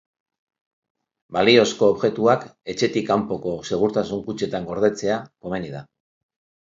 Baliozko objektuak etxetik kanpoko segurtasun-kutxetan gordetzea komeni da.